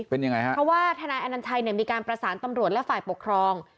เพราะว่าธนายอนันชัยเนี่ยมีการประสานตำรวจและฝ่ายปกครอง